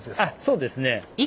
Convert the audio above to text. そうですね。